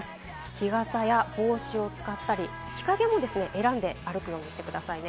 日傘や帽子を使ったり日陰もですね、選んで歩くようにしてくださいね。